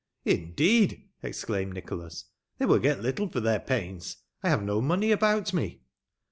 Indeed !" exclaimed Nicholas ;" they will get little for their pains. I haye no money about me.''